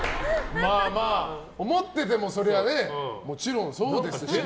思っててもそれはもちろんそうですしね。